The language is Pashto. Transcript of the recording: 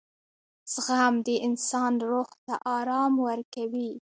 • زغم د انسان روح ته آرام ورکوي.